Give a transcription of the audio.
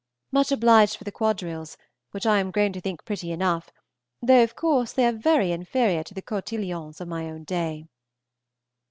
Much obliged for the quadrilles, which I am grown to think pretty enough, though of course they are very inferior to the cotillons of my own day.